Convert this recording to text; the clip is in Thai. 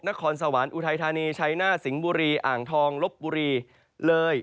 นครสวรรค์อุทัยธานีชัยหน้าสิงห์บุรีอ่างทองลบบุรีเลย